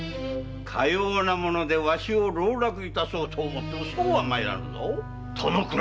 かようなものでわしを籠絡いたそうと思うてもそうはまいらぬぞ。